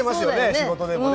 仕事でもね。